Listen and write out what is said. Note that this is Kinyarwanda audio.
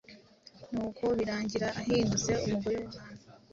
nuko birangira ahindutse umugore w’umwami